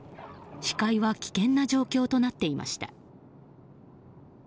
視界は危険な状況となっていました。